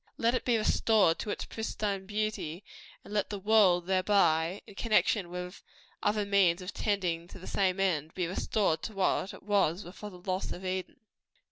Let it be restored to its pristine beauty; and let the world thereby in connection with other means tending to the same end be restored to what it was before the loss of Eden.